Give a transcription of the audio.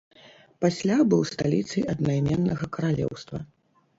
Пасля быў сталіцай аднайменнага каралеўства.